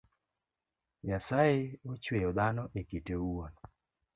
Nyasaye ochueyo dhano ekite owuon